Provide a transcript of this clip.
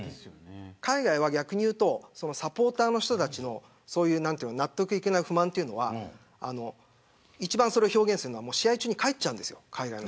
海外は逆にサポーターの人たちの納得いかない不満というのは一番それを表現するのは試合中に帰っちゃうんですよ。